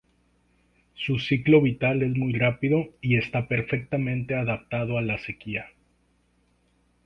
Su ciclo vital es muy rápido y está perfectamente adaptado a la sequía.